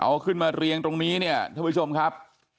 เอาขึ้นมาเรียงตรงนี้เนี่ยท่านผู้ชมครับ